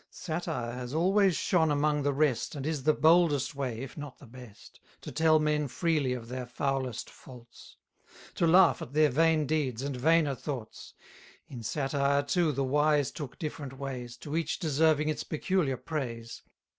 10 Satire has always shone among the rest, And is the boldest way, if not the best, To tell men freely of their foulest faults; To laugh at their vain deeds, and vainer thoughts. In satire too the wise took different ways, To each deserving its peculiar praise.